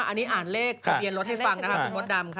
๑๖๙๕อันนี้อ่านเลขเปลี่ยนรถให้ฟังนะครับคุณธรรมค่ะ